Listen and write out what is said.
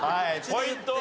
ポイントは？